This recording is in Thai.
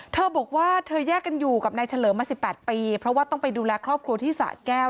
เธอบอกว่าเธอแยกกันอยู่กับนายเฉลิมมา๑๘ปีเพราะว่าต้องไปดูแลครอบครัวที่สะแก้ว